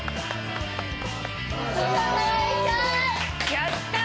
やったー！